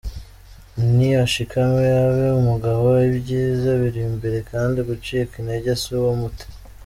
Ni ashikame abe umugabo, ibyiza biri imbere kandi gucika intege si wo muti.